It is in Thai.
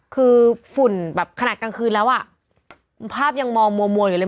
คือฝุ่นแบบขนาดกลางคืนแล้วอ่ะภาพยังมองมัวอยู่เลย